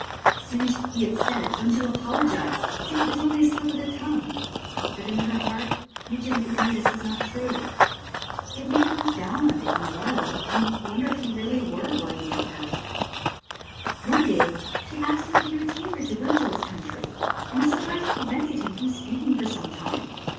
As soon as he had said it, Bunjil apolo gized, saying that it was only a slip of the tongue — but in her heart Mitjen knew this was not true. It made her look down on Dityi a little, and wonder if he were reallj^' worthy of her. One day she asked him if he would take her to Bunjil's country, and his surprise prevented him from speaking for some time.